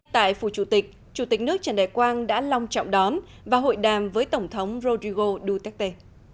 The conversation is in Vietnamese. tại phủ chủ tịch chủ tịch nước trần đại quang đã long trọng đón và hội đàm với tổng thống rodrigo duterte